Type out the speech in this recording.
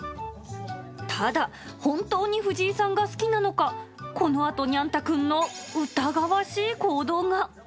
ただ、本当に藤井さんが好きなのか、このあとにゃん太くんの疑わしい行動が。